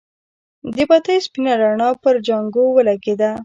د بتۍ سپينه رڼا پر جانکو ولګېده.